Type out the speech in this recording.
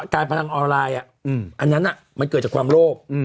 การประทับออนไลน์อันนั้นมันเกิดจากความโลก